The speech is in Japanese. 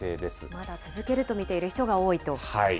まだ続けると見ている人が多いと。